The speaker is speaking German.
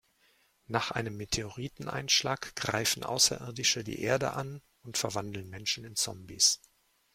Nach einem Meteoriteneinschlag greifen Außerirdische die Erde an und verwandeln Menschen in Zombies.